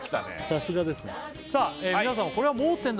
さすがですねさあ